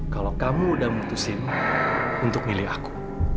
kalau kamu udah memutuskan untuk milih aku